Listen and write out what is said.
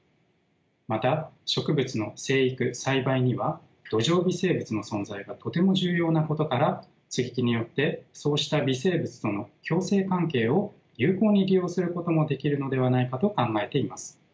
また植物の生育・栽培には土壌微生物の存在がとても重要なことから接ぎ木によってそうした微生物との共生関係を有効に利用することもできるのではないかと考えています。